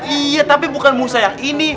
iya tapi bukan musa yang ini